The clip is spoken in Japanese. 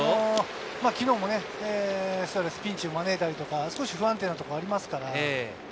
昨日もスアレス、ピンチを招いたり不安定なところがありますから。